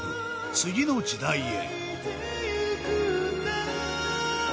「次の時代へ」